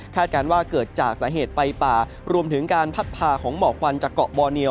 การว่าเกิดจากสาเหตุไฟป่ารวมถึงการพัดพาของหมอกควันจากเกาะบอเนียว